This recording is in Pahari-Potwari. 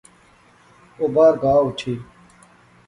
او باہر گا اوٹھی